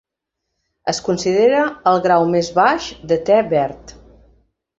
Es considera el grau més baix de te verd.